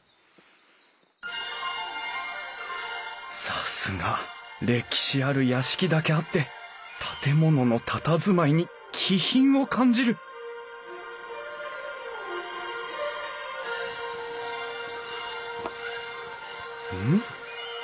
さすが歴史ある屋敷だけあって建物のたたずまいに気品を感じるうん？